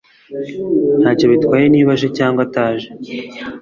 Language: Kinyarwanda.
Ntacyo bitwaye niba aje cyangwa ataje